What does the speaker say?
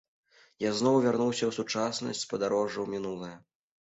Я зноў вярнуўся ў сучаснасць з падарожжа ў мінулае.